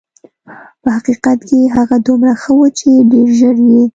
په حقیقت کې هغه دومره ښه وه چې ډېر ژر یې.